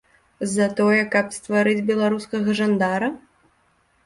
За тое, каб стварыць беларускага жандара?